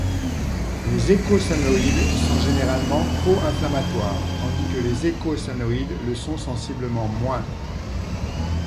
Les eicosanoïdes sont généralement pro-inflammatoires, tandis que les eicosanoïdes le sont sensiblement moins.